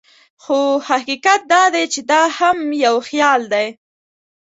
خو حقیقت دا دی چې دا هم یو خیال دی.